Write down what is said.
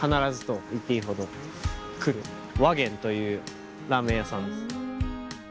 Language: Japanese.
和玄というラーメン屋さんです。